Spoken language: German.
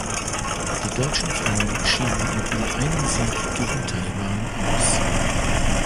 Die deutschen Frauen schieden mit nur einem Sieg gegen Taiwan aus.